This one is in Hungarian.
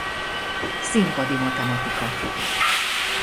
Színpadi matematika.